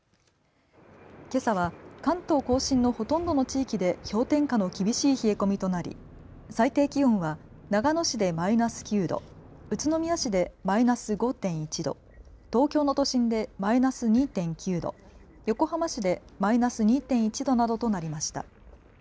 けさは関東甲信のほとんどの地域で氷点下の厳しい冷え込みとなり最低気温は長野市でマイナス９度、宇都宮市でマイナス５．１度、東京の都心でマイナス２．９度、横浜市でマイナス２．１度などとなりました。